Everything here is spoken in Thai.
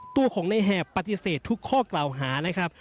ตัวของในแหบปฏิเสธทุกข้อกล่าวหานะครับ